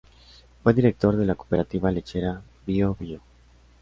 Fue director de la Cooperativa Lechera Bío Bío.